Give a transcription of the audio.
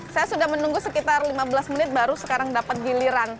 saya sudah menunggu sekitar lima belas menit baru sekarang dapat giliran